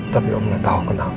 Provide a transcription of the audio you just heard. tapi saya ingin tahu kenapa